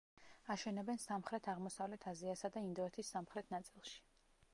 აშენებენ სამხრეთ-აღმოსავლეთ აზიასა და ინდოეთის სამხრეთ ნაწილში.